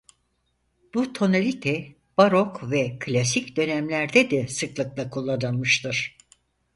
Bu tonalite barok ve klasik dönemlerde de sıklıkla kullanılmıştır.